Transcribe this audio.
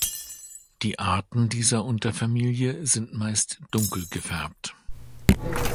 Die Arten dieser Unterfamilie sind meist dunkel gefärbt.